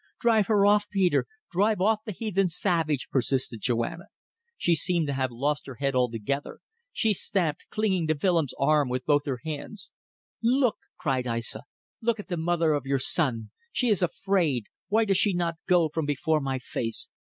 "Drive her off, Peter. Drive off the heathen savage," persisted Joanna. She seemed to have lost her head altogether. She stamped, clinging to Willems' arm with both her hands. "Look," cried Aissa. "Look at the mother of your son! She is afraid. Why does she not go from before my face?